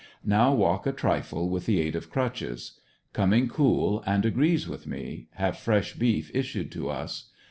Now walk a trifle with the aid of crutches Coming cool, and agrees with me. have fresh beef issued to us.